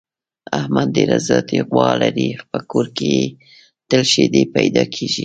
احمد ډېره ذاتي غوا لري، په کور کې یې تل شیدې پیدا کېږي.